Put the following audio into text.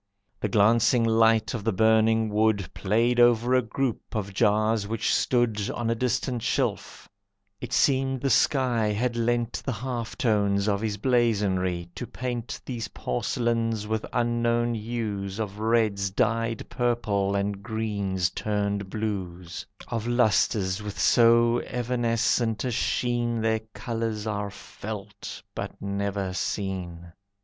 The glancing light of the burning wood Played over a group of jars which stood On a distant shelf, it seemed the sky Had lent the half tones of his blazonry To paint these porcelains with unknown hues Of reds dyed purple and greens turned blues, Of lustres with so evanescent a sheen Their colours are felt, but never seen.